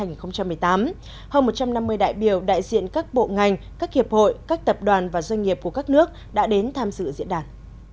hơn một trăm năm mươi đại biểu đại diện các bộ ngành các hiệp hội các tập đoàn và doanh nghiệp của các nước đã đến tham dự diễn đàn